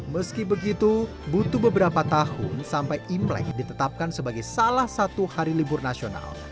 meski begitu butuh beberapa tahun sampai imlek ditetapkan sebagai salah satu hari libur nasional